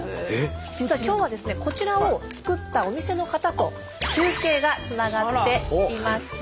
実は今日はですねこちらを作ったお店の方と中継がつながっています。